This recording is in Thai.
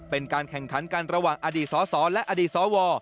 เป็นการแข่งขันกันระหว่างอดีตสสและอดีตสว